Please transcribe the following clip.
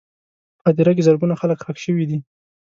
په هدیره کې زرګونه خلک ښخ شوي دي.